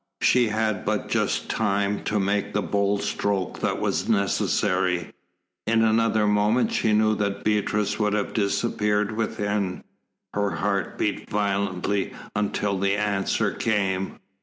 She had but just time to make the bold stroke that was necessary. In another moment she knew that Beatrice would have disappeared within. Her heart beat violently until the answer came.